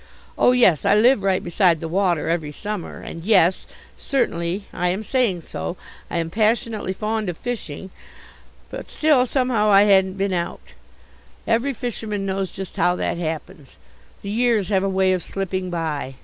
Oh, yes, I live right beside the water every summer, and yes, certainly I am saying so I am passionately fond of fishing, but still somehow I hadn't been out. Every fisherman knows just how that happens. The years have a way of slipping by.